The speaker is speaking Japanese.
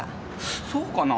そうかな？